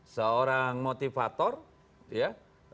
seorang motivator ya